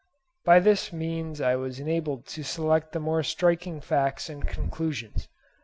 By this means I was enabled to select the more striking facts and conclusions.